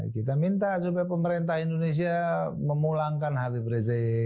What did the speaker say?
kita minta supaya pemerintah indonesia memulangkan habib rizik